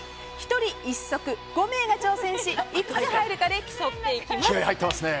１人１足５名が挑戦し、いくつ入るかで競っていきます。